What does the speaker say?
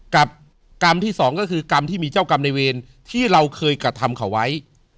กรรมที่สองก็คือกรรมที่มีเจ้ากรรมในเวรที่เราเคยกระทำเขาไว้